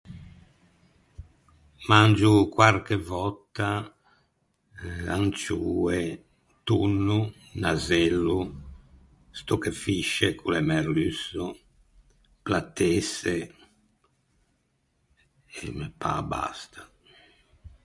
Mangio quarche vòtta ancioe, tonno, nasello, stocchefisce ch’o l’é merlusso, platesse, e me pâ basta.